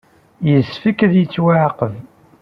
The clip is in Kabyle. Yessefk ad yettwaɛaqeb.